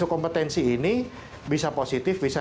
kompetensi ini bisa positif bisa